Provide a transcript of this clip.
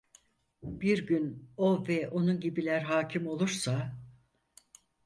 Bir gün o ve onun gibiler hakim olursa…